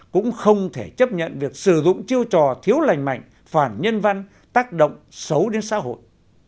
cũng không thể chấp nhận việc sử dụng chiêu trò thiếu lành mạnh phản nhân văn tác động xấu đến xã hội